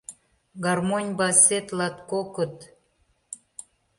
Гармонь басет латкокыт;